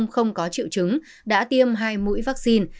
không có triệu chứng đã tiêm hai mũi vaccine